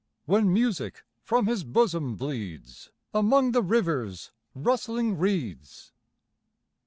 When music from his bosom bleeds Among the river's rustling reeds.